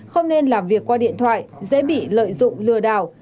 không nên làm việc qua điện thoại dễ bị lợi dụng lừa đảo